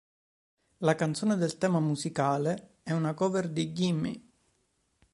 La canzone del tema musicale è una cover di "Gimme!